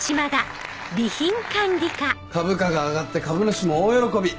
株価が上がって株主も大喜び。